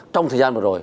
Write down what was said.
trong thời gian vừa rồi